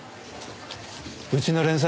うちの連載